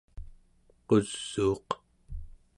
qusuuq